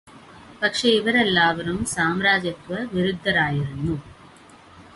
പക്ഷേ ഇവരെല്ലാവരും സാമ്രാജ്യത്വവിരുദ്ധരായിരുന്നു.